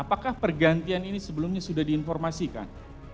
apakah pergantian ini sebelumnya sudah diinformasikan